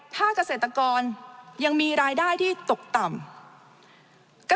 ถ้าเกษตรกรยังมีรายได้ที่ตกต่ำ